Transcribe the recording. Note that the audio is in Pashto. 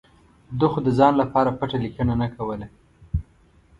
ده خو د ځان لپاره پټه لیکنه نه کوله.